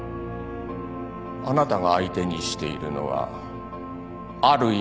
あなたが相手にしているのはある意味国だ。